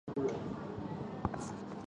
也有些小公司还接受特制的订单。